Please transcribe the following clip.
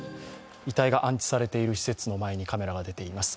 遺体が安置されている施設の前にカメラが出ています。